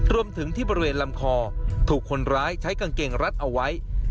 รวมถึงที่บริเวณลำคอถูกคนร้ายใช้กางเกงรัดเอาไว้